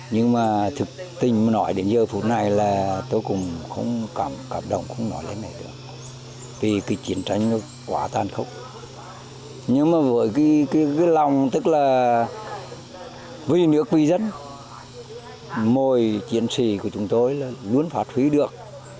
nhưng mà với cái lòng tức là vì nước vì dân mỗi chiến sĩ của chúng tôi là luôn phát huy được